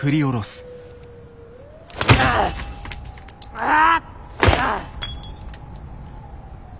ああ！